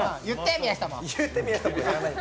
宮下も！